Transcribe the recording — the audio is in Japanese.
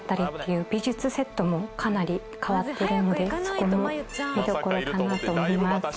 美術セットもかなり変わっているのでそこも見どころかなと思います」